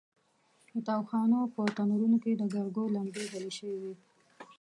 د تاوخانو په تنورونو کې د ګرګو لمبې بلې شوې وې.